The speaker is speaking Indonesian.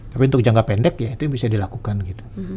tapi untuk jangka pendek ya itu yang bisa dilakukan gitu